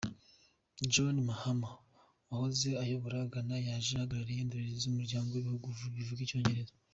John Mahama wahoze ayobora Ghana yaje ahagarariye indorerezi z’Umuryango w’Ibihugu bivuga Icyongereza.